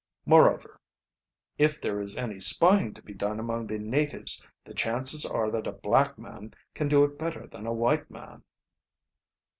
Moreover, if there is any spying to be done among the natives the chances are that a black man can do it better than a white man."